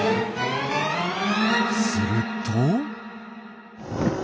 すると。